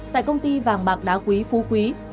tại công ty vàng bạc đá quý phú quốc